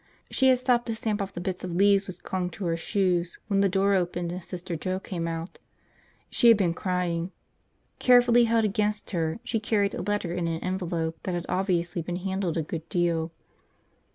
She had stopped to stamp off the bits of leaves which clung to her shoes when the door opened and Sister Joe came out. She had been crying. Carefully held against her she carried a letter in an envelope that had obviously been handled a good deal.